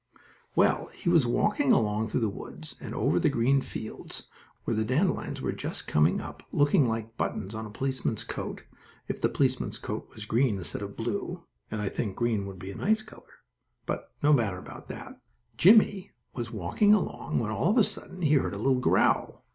Well, he was walking along through the woods, and over the green fields where the dandelions were just coming up, looking like buttons on a policeman's coat, if the policeman's coat was green instead of blue, and I think green would be a nice color. But no matter about that. Jimmie was walking along, when, all of a sudden, he heard a little growl.